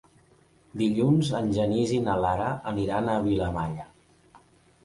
Dilluns en Genís i na Lara aniran a Vilamalla.